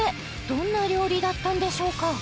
どんな料理だったんでしょうか？